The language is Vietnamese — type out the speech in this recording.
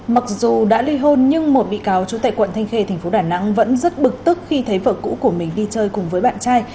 mặc dù đã ly hôn nhưng một bị cáo trú tại quận thanh khê tp đà nẵng vẫn rất bực tức khi thấy vợ cũ của mình đi chơi cùng với bạn trai